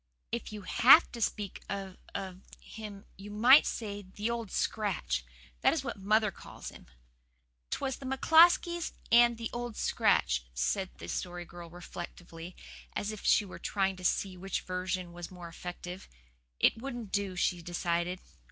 If you HAVE to speak of of him you might say the Old Scratch. That is what mother calls him." "''Twas the McCloskeys and the Old Scratch,'" said the Story Girl reflectively, as if she were trying to see which version was the more effective. "It wouldn't do," she decided.